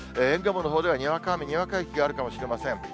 沿岸部のほうでは、にわか雨、にわか雪があるかもしれません。